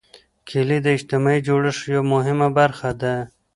کلي د اجتماعي جوړښت یوه مهمه برخه ده.